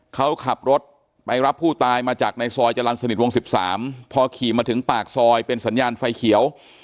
เขาขับรถไปรับผู้ตายมาจากในซอยจรรย์สนิทวง๑๓พอขี่มาถึงปากซอยเป็นสัญญาณไฟเขียว